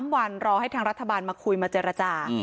๓วันรอให้ทางรัฐบาลมาคุยมาเจรจา